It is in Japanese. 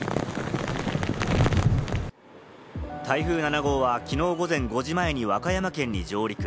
台風７号はきのう午前５時前に和歌山県に上陸。